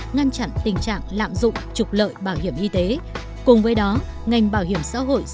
vậy thì ngay bản thân ngành bảo hiểm xã hội